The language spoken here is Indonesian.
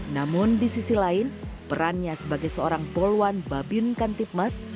namun di sisi lain perannya sebagai seorang poluan babin kantipmas